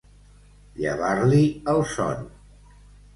Llevar-li el son.